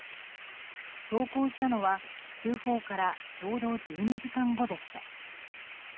投降したのは、通報からちょうど１２時間後でした。